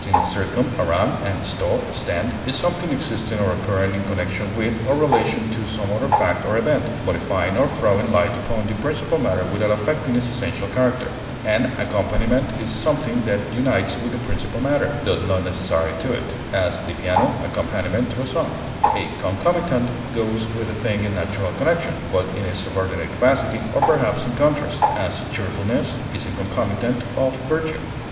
circum, around, and sto, stand), is something existing or occurring in connection with or relation to some other fact or event, modifying or throwing light upon the principal matter without affecting its essential character; an accompaniment is something that unites with the principal matter, tho not necessary to it; as, the piano accompaniment to a song; a concomitant goes with a thing in natural connection, but in a subordinate capacity, or perhaps in contrast; as, cheerfulness is a concomitant of virtue.